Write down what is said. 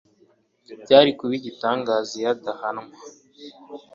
byari kuba igitangaza iyo adahanwa